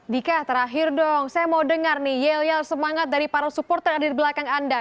dika terakhir dong saya mau dengar nih yel yel semangat dari para supporter ada di belakang anda